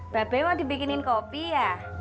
babe mau dibikinin kopi ya